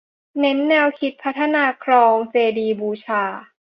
เน้นแนวคิดพัฒนาคลองเจดีย์บูชา